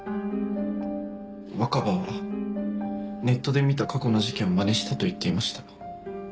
若葉はネットで見た過去の事件をまねしたと言っていました。